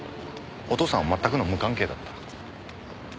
お父さんは全くの無関係だった。